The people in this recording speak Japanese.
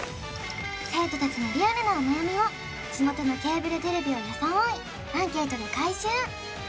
生徒たちのリアルなお悩みを地元のケーブルテレビを装いアンケートで回収